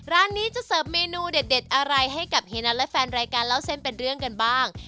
ร้านนี้จะเสิร์ฟเมนูเด็ดอะไรให้กับเฮียนัทและแฟนรายการเล่าเส้นเป็นเรื่องกันบ้าง